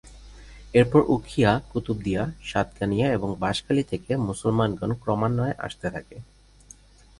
এরপর উখিয়া, কুতুবদিয়া, সাতকানিয়া এবং বাঁশখালী থেকে মুসলমানগণ ক্রমান্বয়ে আসতে থাকে।